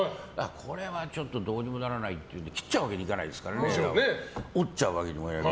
これはどうにもならないっていうんで切っちゃうわけにはいかないですから折っちゃうわけにもいかない。